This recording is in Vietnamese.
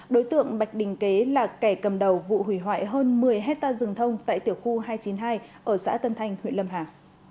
đối tượng bạch đình kế là kẻ cầm đầu vụ hủy hoại hơn một mươi hectare rừng thông tại tiểu khu hai trăm chín mươi hai ở xã tân thanh huyện lâm hà